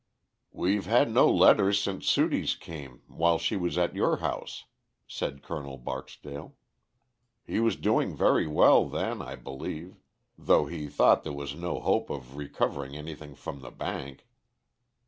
"We've had no letters since Sudie's came while she was at your house," said Colonel Barksdale. "He was doing very well then, I believe, though he thought there was no hope of recovering anything from the bank."